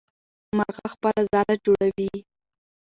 مرغه خپله ځاله جوړوي.